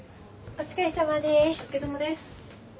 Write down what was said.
お疲れさまです。